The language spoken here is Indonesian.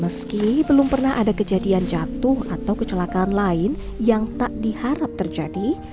meski belum pernah ada kejadian jatuh atau kecelakaan lain yang tak diharap terjadi